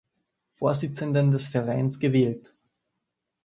Vorsitzenden des Vereins gewählt.